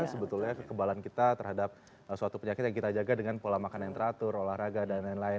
sebetulnya kekebalan kita terhadap suatu penyakit yang kita jaga dengan pola makan yang teratur olahraga dan lain lain